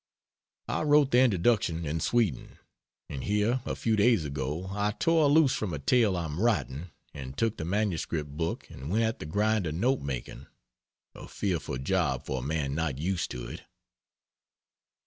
I wrote the introduction in Sweden, and here a few days ago I tore loose from a tale I am writing, and took the MS book and went at the grind of note making a fearful job for a man not used to it.